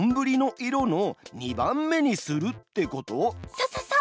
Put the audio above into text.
そうそうそう！